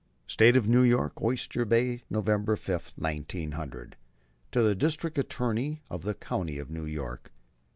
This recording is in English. STATE OF NEW YORK OYSTER BAY, November 5, 1900. To the District Attorney of the County of New York.